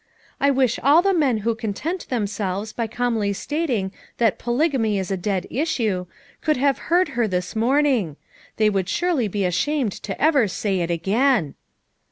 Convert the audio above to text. I wish all the men who content themselves by calmly stating that ' polygamy is a dead issue,' could have heard her this morning; they would surely be ashamed to ever say it again."